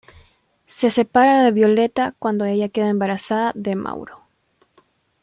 Se separa de violeta cuando ella queda embarazada de Mauro.